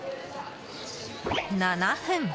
７分。